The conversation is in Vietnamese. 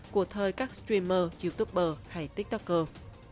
của thời các streamer youtuber hay tiktoker